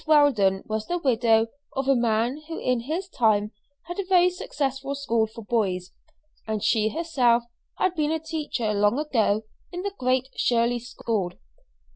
Weldon was the widow of a man who in his time had a very successful school for boys, and she herself had been a teacher long ago in the Great Shirley School.